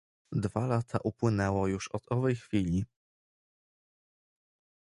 "Dwa lata upłynęło już od owej chwili..."